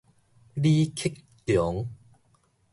李克強